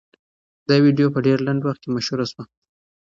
دا ویډیو په ډېر لنډ وخت کې مشهوره شوه.